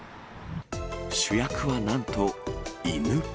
主役はなんと犬。